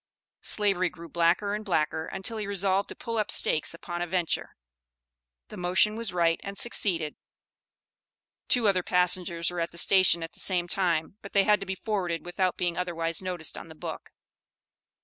Slavery grew blacker and blacker, until he resolved to "pull up stakes" upon a venture. The motion was right, and succeeded. Two other passengers were at the station at the same time, but they had to be forwarded without being otherwise noticed on the book.